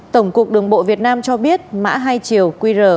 tổng cục đường bộ việt nam cho biết mã hai chiều qr